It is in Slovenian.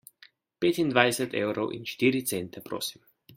Petindvajset evrov in štiri cente prosim.